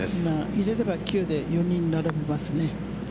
入れれば、９で４人並びますね。